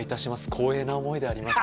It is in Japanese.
光栄な思いであります。